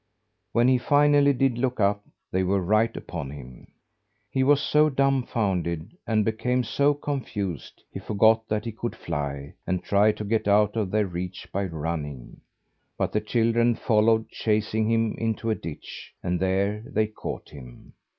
When he finally did look up, they were right upon him. He was so dumfounded, and became so confused, he forgot that he could fly, and tried to get out of their reach by running. But the children followed, chasing him into a ditch, and there they caught him.